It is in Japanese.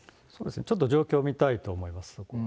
ちょっと状況を見たいと思います。